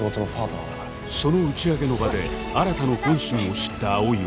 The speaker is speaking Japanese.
その打ち上げの場で新の本心を知った葵は